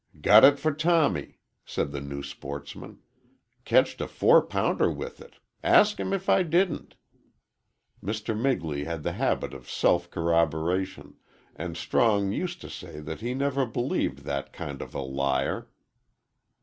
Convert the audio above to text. "Got it for Tommy," said the new sportsman. "Ketched a four pounder with it ask him if I didn't." Mr. Migley had the habit of self corroboration, and Strong used to say that he never believed that kind of a liar.